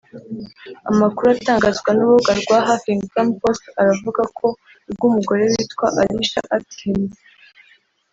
Amakuru atangazwa n’urubuga rwa huffingtonpost aravuga ko ubwo Umugore witwa Alicia Atkins